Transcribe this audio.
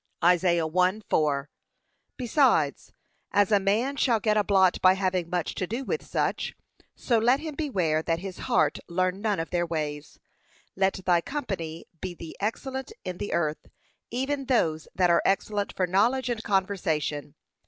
(Isa. 1:4) Besides, as a man shall get a blot by having much to do with such; so let him beware that his heart learn none of their ways. Let thy company be the excellent in the earth even those that are excellent for knowledge and conversation.